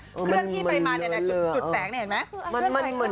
เคลื่อนที่ไปมาเนี่ยนะจุดแสงเนี่ยเห็นไหม